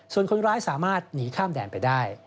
ส่วนคนร้ายสามารถหนีข้ามแดนไปได้